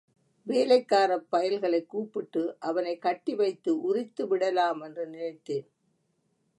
வேலைக்காரப் பயல்களைக் கூப்பிட்டு அவனைக் கட்டிவைத்து உரித்துவிடலாமென்று நினைத்தேன்.